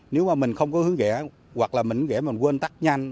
nếu mà mình không có hướng ghẽ hoặc là mình ghẽ mà quên tắt nhanh